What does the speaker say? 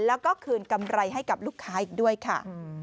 แล้วก็คืนกำไรให้กับลูกค้าอีกด้วยค่ะ